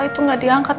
itu gak diangkat